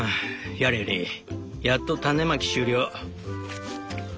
やれやれやっと種まき終了」。